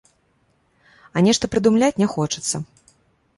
А нешта прыдумляць не хочацца.